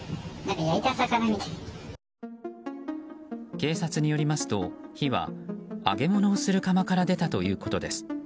警察によりますと、火は揚げ物をする釜から出たということです。